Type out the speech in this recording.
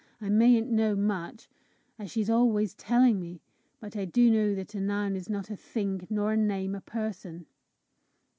I mayn't know much, as she's always telling me, but I do know that a noun is not a thing, nor a name a person!"